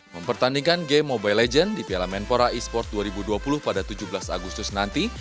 mempertandingkan game mobile legends di piala menpora e sports dua ribu dua puluh pada tujuh belas agustus nanti